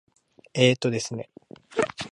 えーとですね。